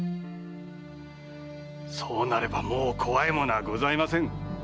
そうなればもう怖いものはございません。